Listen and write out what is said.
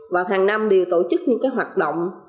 và hàng năm đều tổ chức những hoạt động